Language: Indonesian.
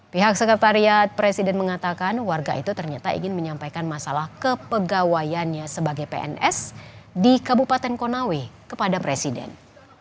pihak sekretariat presiden mengatakan warga itu ternyata ingin menyampaikan masalah kepegawaiannya sebagai pns di kabupaten konawe kepada presiden